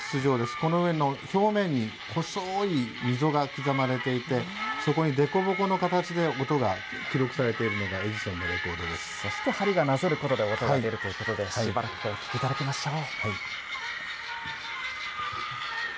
この上の表面に、細い溝が刻まれていて、そこに凸凹の形で音が記録されているのがエジソンのレコそして針がなぞることで音が出るということで、しばらくお聴きいただきましょう。